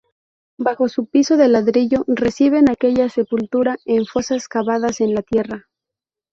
Bajo su piso de ladrillo, reciben aquellas sepultura en fosas cavadas en la tierra.